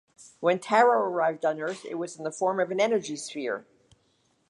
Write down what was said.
When Taro arrived on Earth it was in the form of an energy sphere.